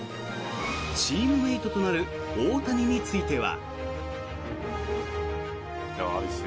チームメートとなる大谷については。